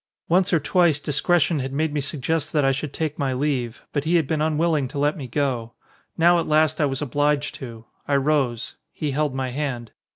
Once or twice discretion had made me suggest that I should take my leave, but he had been un willing to let me go. Now at last I was obliged to. I rose. He held my hand.